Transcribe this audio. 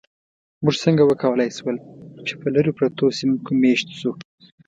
موږ څنګه وکولی شول، چې په لرو پرتو سیمو کې مېشت شو؟